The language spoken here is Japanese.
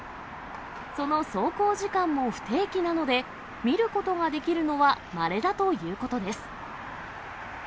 その走行時間も不定期なので、見ることができるのはまれだということです。